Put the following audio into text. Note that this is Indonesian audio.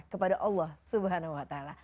kepada allah swt